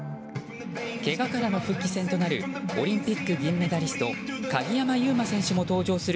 けがからの復帰戦となるオリンピック銀メダリスト鍵山優真選手も登場する